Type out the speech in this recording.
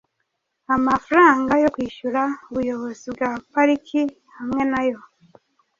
amafaranga yo kwishyura ubuyobozi bwa pariki hamwe n’ayo